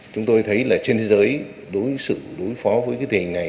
chúng tôi thấy là trên thế giới đối xử đối phó với cái tình hình này